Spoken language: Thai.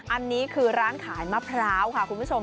อันนี้คือร้านขายมะพร้าวค่ะคุณผู้ชม